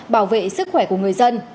bảo vệ sức khỏe của người dân